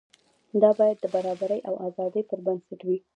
دا باید د برابرۍ او ازادۍ پر بنسټ وي.